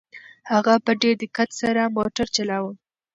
هغه په ډېر دقت سره موټر چلاوه.